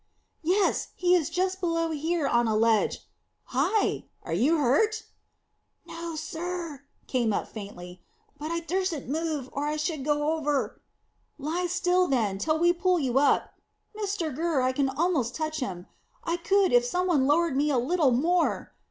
"Yes; he is just below here on a ledge. Hi! Are you hurt?" "No, sir," came up faintly; "but I durstn't move, or I should go over." "Lie still, then, till we pull you up. Mr Gurr, I can almost touch him. I could, if some one lowered me a little more."